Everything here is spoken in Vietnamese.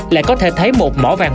lại có thể thấy một mỏ vàng